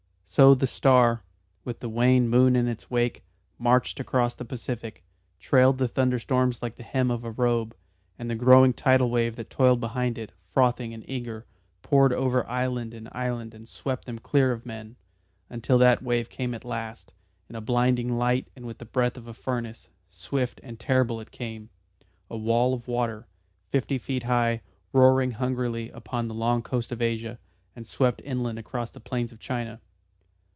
So the star, with the wan moon in its wake, marched across the Pacific, trailed the thunderstorms like the hem of a robe, and the growing tidal wave that toiled behind it, frothing and eager, poured over island and island and swept them clear of men. Until that wave came at last in a blinding light and with the breath of a furnace, swift and terrible it came a wall of water, fifty feet high, roaring hungrily, upon the long coasts of Asia, and swept inland across the plains of China.